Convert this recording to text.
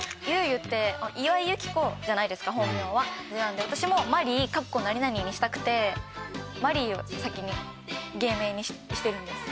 ゆって岩井由紀子じゃないですか本名はなので私もマリーにしたくてマリーを先に芸名にしてるんです